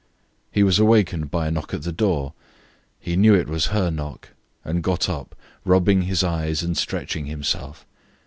He was awakened by a knock at the door. He knew it was her knock, and got up, rubbing his eyes and stretching himself.